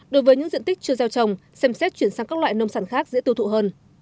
đối với những diện tích chưa gieo trồng xem xét chuyển sang các loại nông sản khác dễ tiêu thụ hơn